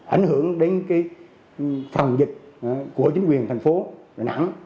ảnh hưởng đến phòng dịch của chính quyền thành phố đà nẵng